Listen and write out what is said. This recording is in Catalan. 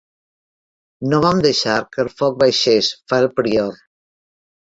No vam deixar que el foc baixés, fa el prior.